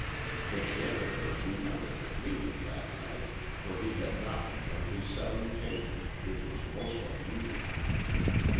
The janitor remembered him leaving that night, for he had not returned his salutation, which was most unusual.